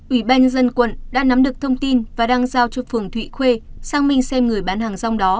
ủy ban nhân dân quận đã nắm được thông tin và đang giao cho phường thụy khuê xác minh xem người bán hàng rong đó